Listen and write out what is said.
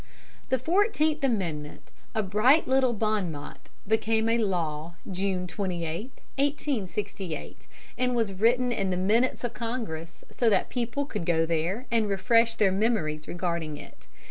The Fourteenth Amendment, a bright little bon mot, became a law June 28, 1868, and was written in the minutes of Congress, so that people could go there and refresh their memories regarding it.